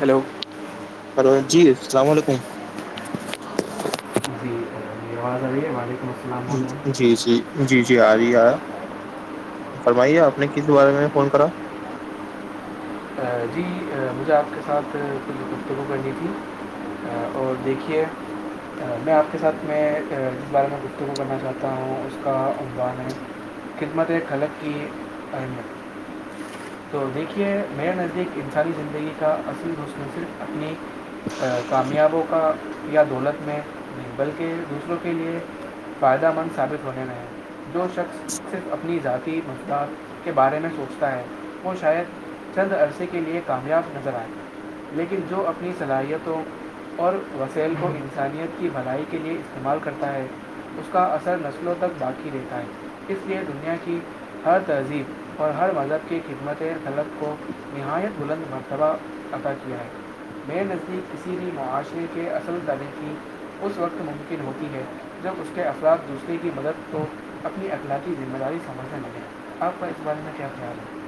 hello hello جی السلام علیکم جیی آواز آ رہئی ہے وعلیکم السام جی جی جی جی آ رہی آیا فرمائیے آپ نے کس بارے میں فون کرا جی مجھے آپ کے ساتھ کچھ گفتگو کرنی تھی اور دیکھیے میں آپ کے ساتھ میں جس بارے میں گفتگو کرنا چاہتا ہوں اس کا عمران ہے خدمتیں خغلط کی ہیں تو دیکھیے میرے نزدیک انسانی زندگی کا اصل حسن صرف اپنی کامیابوں کا یا دولت میں نہیں بلکہ دوسروں کے لیے فائدہ مند سابت ہونے نہیں جو شخص صرف اپنی ذاتی مذدد کے بارے میں سوچتا ہے وہ شاید چند عرصے کے لیے کامیاب نظر آئے لیکن جو اپنی صلاحیتوں اور وسیل کو انسانیت کی بھلائی کے لیے استعمال کرتا ہے اس کا اثر نسلوں تک باقی رہتا ہے اس لیے دنیا کی ہر تہذیب اور ہر مذہب کی خدمت خلب کو نہایت بلند مرتبہ عطا کیا ہے بے نزدیک کسی بھی معاشرے کے اصل طرح کیی اس وقت ممکن ہوتی ہے جب اس نے افراد دوسرے کی مدد کو اپنی اخلاعی ذمہ داری سمجھی آپ کا اس بارے میں کیا خیال ہے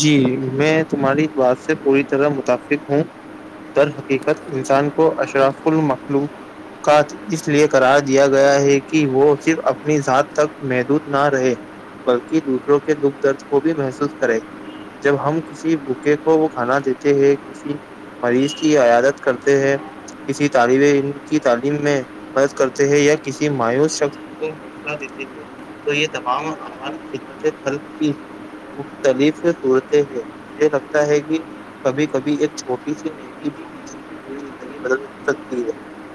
جی میں تمہاری بات سے پوری طرح متفق ہوں در حقیقت انسان کو اشراف المخلوق کا اس لیے قرار دیا گیا ہے کہ وہ صرف اپنی ذات تک محدود نہ رہے بلکہ دوسروں کے دکھ درد کو بھی محسوس کرے جب ہم کسی بھوکے کو وہ کھانا دیتے ہیں کسی مریض کی عیادت کرتے ہیں کسی طالب ان کی تعلیم میں مدد کرتے ہیں یا کسی مایوس شخص کو دیتے ہیں تو یہ تمام عمام خدمت خلق کی مختلف [unintelligible] پوری زندگی بدل سکتی ہے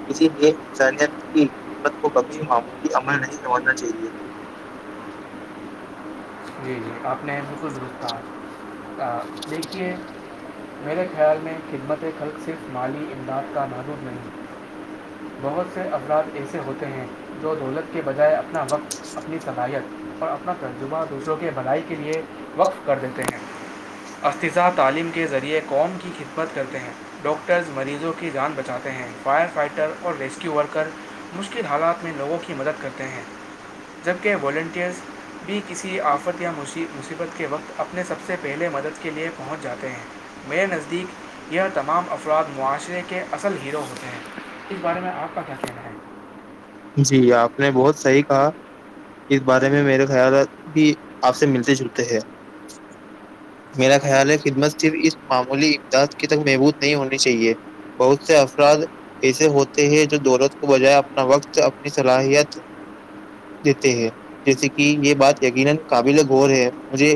اسی لیے انسانیت کی خدمت کو کبھی معمولی عمل نہیں سمجھنا چاہیے جی جی آپ نے بالکل درست کہا دیکھیے میرے خیال میں خدمت خلق صرف مالی امداد کا نام نہیں ہے بہت سے افراد ایسے ہوتے ہیں جو دولت کے بجائے اپنا وقت اپنی صلاحیت اور اپنا تجربہ دوسروں کے بھلائی کے لیے وقف کر دیتے ہیں استذہ تعلیم کے ذریعے قوم کی خدمت کرتے ہیں ڈاکٹرز مریضوں کی جان بچاتے ہیں فائر فائٹر اور ریسکیو ورکر مشکل حالات میں لوگوں کی مدد کرتے ہیں جبکہ والنٹیئرز کسی آفت یا مصیبت کے وقت اپنے سب سے پہلے مدد کے لیے پہنچ جاتے ہیں میرے نزدیک یہ تمام افراد معاشرے کے اصل ہیرو ہوتے ہیں اس بارے میں آپ کا کیا کہنا ہے جی آپ نے بہت صحیح کہا اس بارے میں میرے خیالات بھی آپ سے ملتے جلتے ہیں میرا خیال ہے خدمت صرف اس معمولی امداد کے تک محبود نہیں ہونی چاہیے بہت سے افراد ایسے ہوتے ہیں جو دولت کو بجائے اپنا وقت اپنی صلاحیت دیتے ہیں جیسے کہ یہ بات یقینا قابل غور ہے مجھے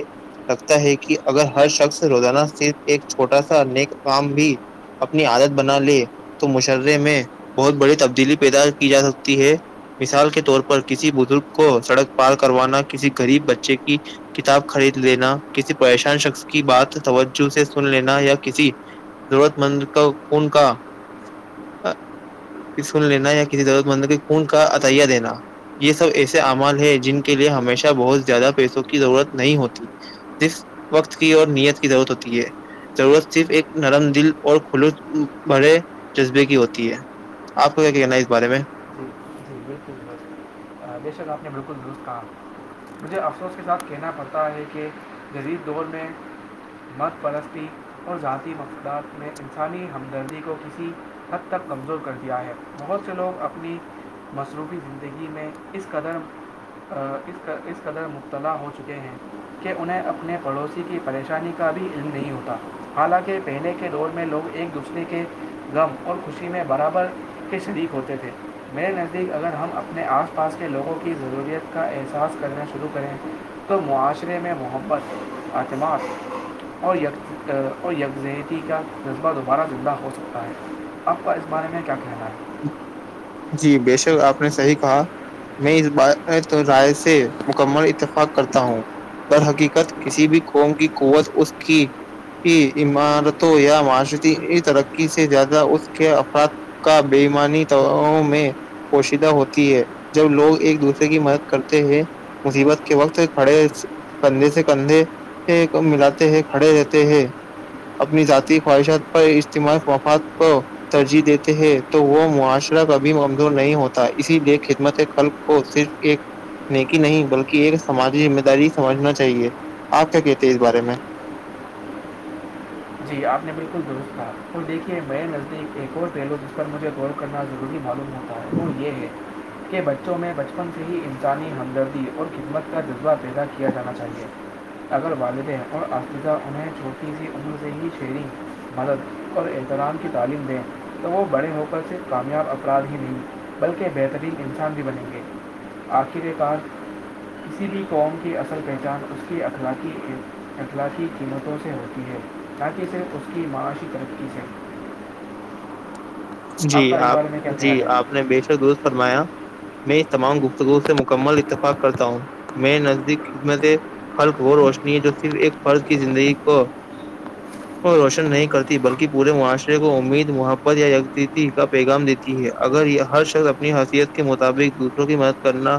لگتا ہے کہ [inaudible] تو مشرے میں بہت بڑی تبدیلی پیدا کی جا سکتی ہے مثال کے طور پر کسی بزرگ کو سڑک پار کروانا کسی گغریب بچے کی کتاب خرید لینا کسی پریش شان شخص کی بات توجہ سے سن لینا یا کسی [inaudible] [inaudible] سن لینا یا کسی ضرورت مند کہ خون کا عطائیا دینا یہ سب ایسے اعمال ہے جن کے لیے ہمیشہ بہت زیادہ پیسوں کی ضرورت نہیں ہوتی جس وقت کی اور نیت کی ضرورت ہوتی ہے ضرورت صرف ایک نرم دل اور کل بھرے جذبے کی ہوتی ہے آپ کو کیا کہنا ہے اس بارے میں [inaudible] بے شک آپ نے بالکل درست کہا مجھے افسوس کے ساتھ کہنا پڑتا ہے کہ جدید دور میں مت پررستی اور ذاتی مفادات میں انسانی ہمدردی کو کسی حد تک کمزور کر دیا ہے بہت سے لوگ اپنی مصروفی زندگی میں اس قدر اس قدر مبتلا ہو چکے ہیں کہ انہیں اپنے پڑوسی کی پریشانی کی کا بھی علم نہیں ہوتا حالانکہ پہلے کے دور میں لوگ ایک دوسرے کے غم اور خوشی میں برابر ک صد ہوتے تھے میرے نزدیک اگر ہم اپنے آس آس پاس کے لوگوں کی ضروریت کا احساس کرنا شروع کریں تو معاشرے میں محبت اتماس اور یک اور یکجہتی کا جذبہ دوبارہ زندہ ہو سکتا ہے آپ کا اس بارے میں کیا کہنا ہے جی بےشک آپ نے صحیح کہا میں اس بارے میں ذائے سے مکمل اتفاق کرتا ہوں در حقیقت کسی بھی قوم کی قوت اس کی کی عمارتوں یا معاشرتی ترقی سے زیادہ اس کے افراد بےمانی تواوں میں پوشیدہ ہوتی ہے جب لوگ ایک دوسرے کی مدد کرتے ہیں مصیبت کے وقت کھڑے کندھے سے کندھے ک ملاتے ہیں کھڑے رہتے ہیں اپنی ذاتی خواہشات پر اجتماعی مفات کو ترجیح دیتے ہیں تو وہ معاشرہ کبھی ممزور نہیں ہوتا اسی لیے خدمت کل کو صرف ایک نہیںیک نہیں بلکہ ایک سماجی ذمہ داری سمجھنا چاہیے آپ کیا کہتے ہیں اس بارے میں [unintelligible] جی آپ نے بالکل درست کہ خود دیکھیے میں نزدیک ایک اور پہلوں جس پر مجھے غور کرنا ضروری معلوم ہوتا ہے وہ یہ لی کہ بچوں میں بچپن سے ہی انسانی ہمدردی اور خدمت کا جذبہ پیدا کیا جانا چاہیے اگر والدین اور اسذہ انہیں چھوٹی سی عمر سے ہی چھیڑیں مدد اور احترام کی تعلیم دیں تو وہ بڑے ہو کر سے کامیاب افراد ہی لیں بلکہ بہترین انسان بھی بنیں گے آخر کار کسی بھی قوم کی اصل پہچان اس کی الای اخلاقی قیمتوں سے ہوتی ہے تاکہ صرف اس کی معاشی ترقی سے آپ کا اس بارے میں کیا خل ہے میں اس تمام گفتگو سے مکمل اتفاق کرتا ہوں میں نزدیک خدمت کل پ پس ت کو اور روشن نہیں کرتی بلکہ پورے معاشرے کو امید محبت یا کا پیغام دیتی ہے اگر یہ ہر شخص اپنی حیثیت کے مطابق دوسروں کی مدد کرنا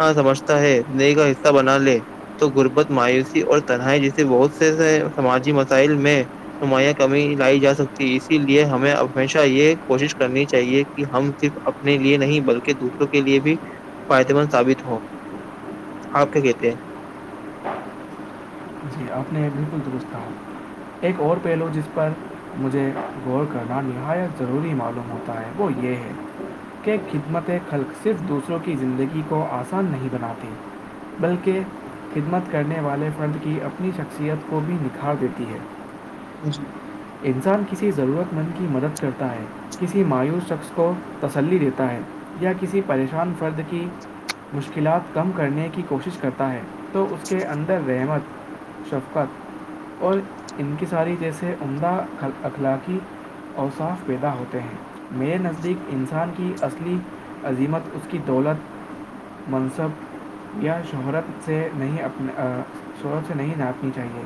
ہاں سمجھتا ہے زندگی کا حصہ بنا لے تو غربت مایوسی اور تنہائی جیسے بہت سے سماجی مسائل میں نمایاں کمی لائی جا سکتی اسی لیے ہمیں ہمیشہ یہ کوشش کرنی چاہیے کہ ہم صرف اپنے لیے نہیں بلکہ دوسروں کے لیے بھی فائدے سےن زال ہ توک کے جی آپ نے یہ بالکل درست ہ ایک اور پہلو جس پر مجھے غور کرنا نہایت ضروری معلوم ہوتا ہے وہ یہ ہے کہ کتنے خدمت خلق صرف دوسروں کی زندگی کو آسان نہیں بناتی بلکہ خدمت کرنے والے فنڈ کی اپنی شخصیت کو بھی نکھار دیتی ہے جی انسان کسی ضرورت مند کی مدد کرتا ہے کسی مایوس شخص کو تسلی دیتا ہے یا کسی پریشان فرد کی مشکلات کم کرنے کی کوشش کرتا ہے تو اس کے اندر رحمت شفقت اور ان کی ساری جیسے عمدہ اخلاقی اوساف پیدا ہوتے ہیں میرے نزدیک انسان کی اصلی عظیمت اس کی دولت منصب یا شہرت سے نہیں اپنا شہرت سے نہیں ناپنی چاہیے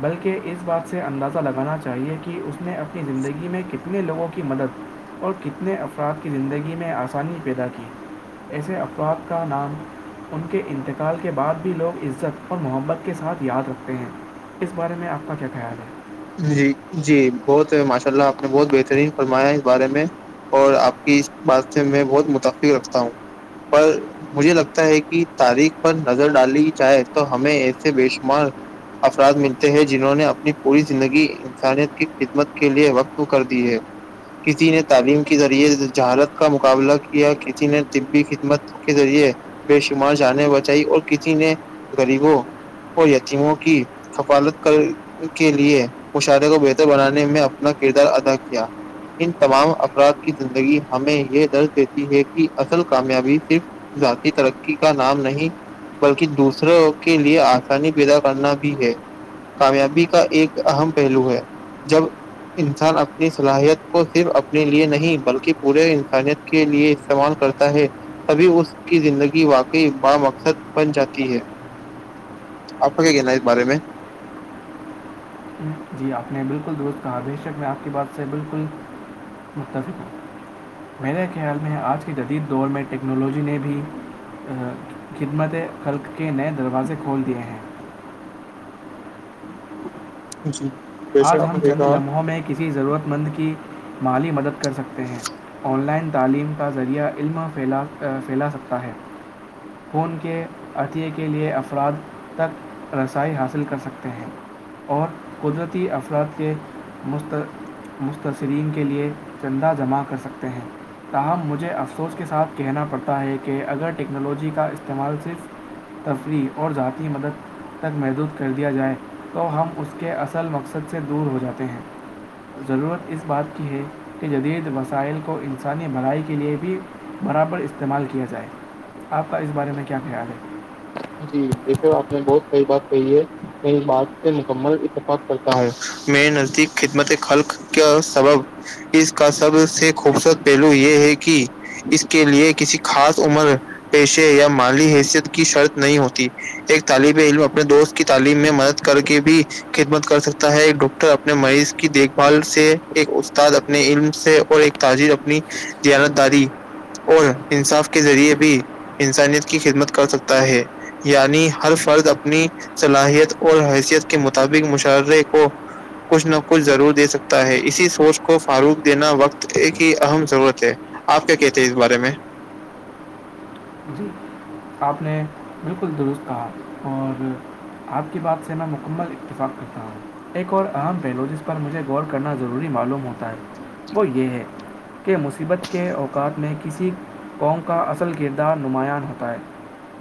بلکہ اس بات سے اندازہ لگانا چاہیے کہ اس نے اپنی زندگی میں کتنے لوگوں کی مدد اور کتنے افراد کی زندگی میں آسانی پیدا کی ایسے افراد کا نام ان کے انتقال کے بعد بھی لوگ عزت اور محبت کے ساتھ یاد رکھتے ہیں اس بارے میں آپ کا کیا خیال ہے جی جی بہت ہے ماشاء اللہ آپ نے بہت بہترین فرمایا اس بارے میں اور آپ کی اس بات سے میں بہت متفق رکھتا ہوں پر مجھے لگتا ہے کہ تاریخ پر نظر ڈالی جائے تو ہمیں ایسے بے شمار افراد ملتے ہیں جنہوں نے اپنی پوری زندگی انسانیت کی خدمت کے لیے وقف کر دی ہے کسی نے تعلیم کے ذریعے جہالت کا مقابلہ کیا کسی نے طبی خدمت کے ذریعے بے شمار جانے بچائی اور کسی نے غریبوں اور یتیموں کی کفالت کر کے لیے مشاہعرے کو بہتر بنانے میں اپنا کردار ادا کیا ان تمام افراد کی زندگی ہمیں یہ درد دیتے ہے کہ اصل کامیابی صرف ذاتی ترقی کا نام نہیں بلکہ دوسروں کے لیے آسانی پیدا کرنا بھی ہے کامیابی کا ایک اہم پہلو ہے جب انسان اپنی صلاحیت کو صرف اپنے لیے نہیں بلکہ پورے انسانیت کے کے لیے استعمال کرتا ہے تبھی اس کی زندگی واقعی بڑا مقصد بن جاتی ہے آپ کا کیا کہنا ہے اس بارے میں [inaudible] جی آپ نے بالکل درست کہا م میں نے کیا خیال میں ہے آج کے جدید دور میں ٹیکنالوجی نے بھی خدمت قلک کے نئے دروازے کھول دیے ہیں ج جی آج ہم چند لمحوں میں کسی ضرورت مند کی مالی مدد کر سکتے ہیں آن لائن تعلیم کا ذریعہ علم پھیلا پھیلا سکتا ہے خون کے عطے کے لئے افراد تک رسائی حاصل کر سکتے ہیں اور قدرت ی افراد کے مست مستثرین کے لیے چندہ جمع کر سکتے ہیں تاہم مجھے افسوس کے ساتھ کہنا پڑتا ہے کہ اگر ٹیکنالوجی کا استعمال صرف تفریح اور ذاتی مدد تک محدود کر دیا جائے تو ہم اس کے اثر ال مقصد سے دور ہو جاتے ہیں ضرورت اس بات کی ہے کہ جدید وسائل کو انسانی بھلائی کے لئے بھی برابر استعمال کیا جائے آپ کا اس بارے میں کیا خیال ہے جی جیشو آپ نے بہت صحی بات کہی ہے بات سے مکمل اتفاق کرتا ہوں میں نزدیک خدمت خلق کا سبب اس کا سب سے خوبصورت پہلو یہ ہے کہ اس کے لئے کسی خاص عمر پیشے یا مالی حیثیت کی شرط نہیں ہوتی ایک طالب علم اپنے دوست کی تعلیم میں مدد کر کے بھی خدمت کر سکتا ہے ایک ڈاکٹر اپنے مریض کی دیکھ بھال سے ایک استاد اپنے علم سے اور ایک تاجر اپنی جیانت داری اور انصاف کے ذریعے بھی انسانیت کی خدمت کر سکتا ہے یعنی ہر فرد اپنی صلاحیت اور حیثیت کے مطابق مشاعرے کو کچھ نہ کچھ ضرور دے سکتے اسی سوچ کو فاروغ دینا وقت ایک ہی اہم ضرورت ہے آپ کیا کہتے ہیں اس بارے میں ہ جی آپ نے بالکل درست کہا اور آپ کی بات سے میں مکمل اتفاق کرتا ہوں ایک اور اہم پہلو جس پر مجھے غور کرنا ضروری معلوم ہوتا ہے وہ یہ ہے کہ مصیبت کے اوقات میں کسی قوم کا اصل کردار نمایاں ہوتا ہے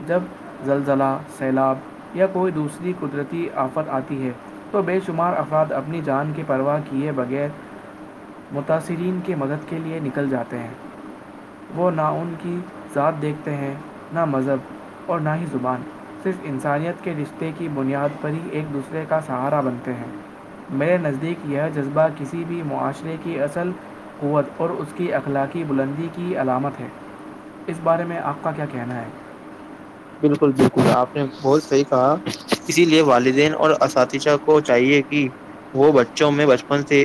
جب زلزلہ سیلاب یا کوئی دوسری قدرتی آفت آتی ہے تو بے شمار افراد اپنی جان کی پرواہ کیے بغیر متاثرین کی مدد کے لیئے نکل جاتے ہیں وہ نہ ان کی ذات دیکھتے ہیں نہ مذہب اور نہ ہی زبان صرف انسانیت کے رشتے خے کی بنیاد پر ہی ایک دوسرے کا سہارا بنتے ہیں میرے نزدیک یہ جذبہ کسی بھی معاشرے کی اصل قوت اور اس کی اخلاقی بلندی کی علامت ہے اس بارے میں آپ کا کیا کہنا ہے بالکل بالکل آپ نے بہت صحیح کہا اسی لیے والدین اور اساتشہ کو چاہیے کہ وہ بچوں میں بچپن سے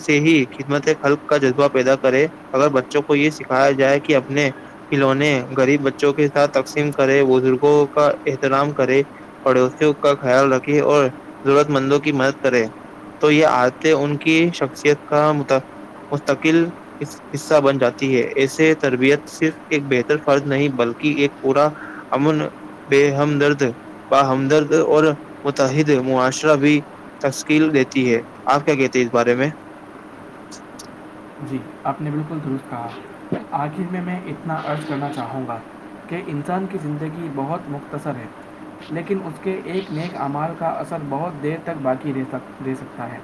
سے ہی خدمت حلق کا جذبہ پیدا کرے اگر بچوں کو یہ سکھایا جائے کہ اپنے کھلونے گغریب بچوں کے ساتھ تقسیم کرے بزرگوں کا احترام کرے پڑوسیوں کا خیال رکھے اور ضرورت مندوں کی مدد کرے تو یہ ان کی شخصیت کا مستقل حصہ بن جاتی ہے ایسے تربیت صرف ایک بہتر فرض نہیں بلکہ ایک پورا امن بے حمدرد اش بھی تے ہے آپ کیا کہتے ہیں اس بارے میں جی آپ نے بالکل درست کہا آخر میں میں اتنا عرض کرنا چاہوں گا کہ انسان کی زندگی بہت مختصر ہے لیکن اس کے ایک نیک اعمال کا اثر بہت دیر تک باقیک دے سکتا ہے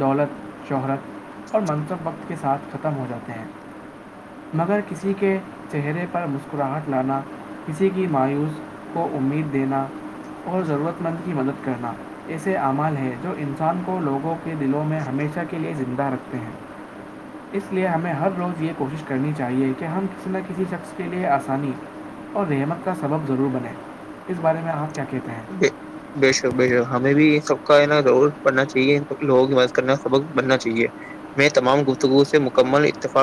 دولت شہرت اور منصب وقت کے ساتھ ختم ہو جاتے ہیں مگر کسی کے چہرے پر مسکراہٹ لانا کسی کی مایوس کو امید دینا اور ضرورت مند کی مدد کرنا ایسے اعمال ہیں جو انسان کو لوگوں کے دلوں میں ہمیشہ کے لیے زندہ رکھتے ہیں اس لئے ہمیں ہر روز یہ کوشش کرنی چاہیے کہ ہم کسی نہ کسی شخص کے لئے آسانی اور رحمت کا سبب ضرور بنیں اس بارے میں آپ بےشک بےشک ہمیں بھی یہ سب کا ہے نا دور پڑنا چاہیے لوگوں کی مدد کرنے کا سبق بننا چاہیے میں تمام گفتگو سے مکمل اتفاق